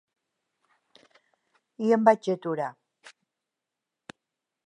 I em vaig aturar.